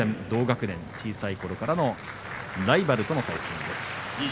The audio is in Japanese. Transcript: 同学年、小さいころからのライバルとの対戦です。